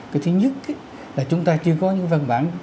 cái thứ nhất là chúng ta chưa có những văn bản